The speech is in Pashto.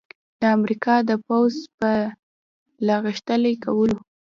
د امریکا د پوځ په لاغښتلي کولو